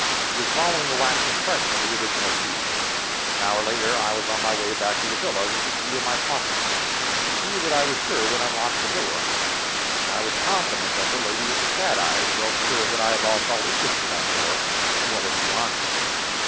He was following a wax impression of the original key. An hour later I was on the way back to the villa, with the key in my pocket, a key that I was sure would unlock the door, and I was confident that the lady with the cat eyes felt sure that I had lost all interest in that door and what was beyond it.